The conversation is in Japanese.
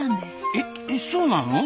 えっそうなの？